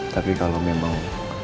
tapi kalau memang